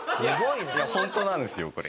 ホントなんですよこれ。